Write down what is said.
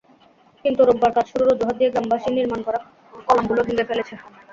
কিন্তু রোববার কাজ শুরুর অজুহাত দিয়ে গ্রামবাসী নির্মাণ করা কলামগুলো ভেঙে ফেলেছে।